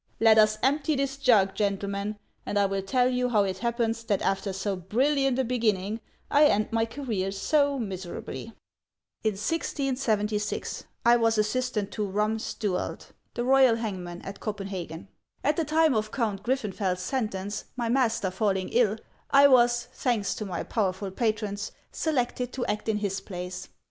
Let us empty this jug, gentlemen, and I will tell you how it happens that after so brilliant a beginning I end my career so miserably. " In 1676, I was assistant to Ehum Stuald, the royal hangman at Copenhagen. At the time of Count Griffen feld's sentence, my master falling ill, I was, thanks to my powerful patrons, selected to act in his place.